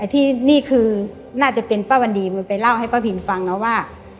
ที่นี่คือน่าจะเป็นป้าวันดีมันไปเล่าให้ป้าพินฟังนะว่า